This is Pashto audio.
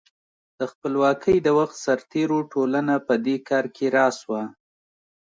د خپلواکۍ د وخت سرتېرو ټولنه په دې کار کې راس وه.